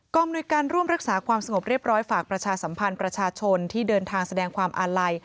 มนุยการร่วมรักษาความสงบเรียบร้อยฝากประชาสัมพันธ์ประชาชนที่เดินทางแสดงความอาลัย